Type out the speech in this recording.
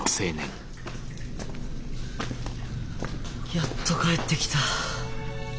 やっと帰ってきた。